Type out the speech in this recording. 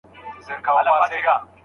قطره قطره درياب جوړېږي.